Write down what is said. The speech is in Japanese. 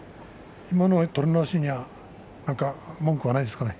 今の取り直しには文句はないですかね。